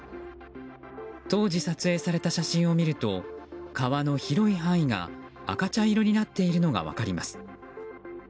当時、撮影された写真を見ると川の広い範囲が赤茶色になっているのが分かります。